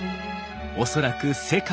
恐らく世界初。